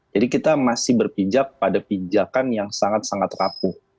jadi kita masih berpijak pada pijakan yang sangat sangat rapuh